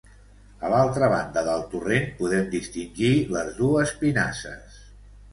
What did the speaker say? A l'altra banda del torrent podem distingir les dues pinasses.